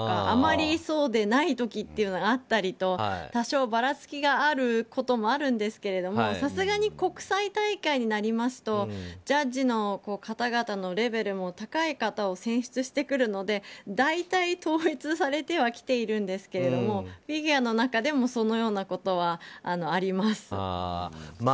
あまりそうでない時っていうのがあったりと多少ばらつきがあることもあるんですけれどもさすがに国際大会になりますとジャッジの方々のレベルも高い方を選出してくるので大体統一されてはきていますがフィギュアの中でもそのようなことはあります。